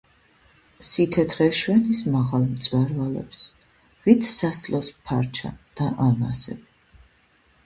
სითეთრე შვენის მაღალ მწვერვალებს ვით სასძლოს ფარჩა და ალმასები